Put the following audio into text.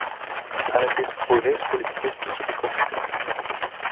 αλλά και σπουδαίες πολιτικές προσωπικότητες